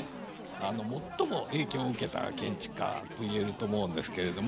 最も影響を受けた建築家と言えると思うんですけれども。